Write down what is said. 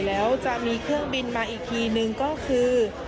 แล้วจะมีเครื่องบินมาอีกทีนึงก็คือ